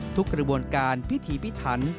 กระบวนการพิธีพิถัน